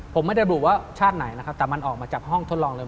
ผมไม่ได้ระบุว่าชาติไหนนะครับแต่มันออกมาจากห้องทดลองเลย